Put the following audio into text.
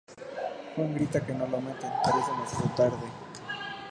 Juan grita que no lo maten pero es demasiado tarde.